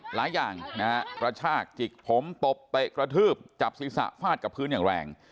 หลายอย่างนะฮะกระชากจิกผมตบเตะกระทืบจับศีรษะฟาดกับพื้นอย่างแรง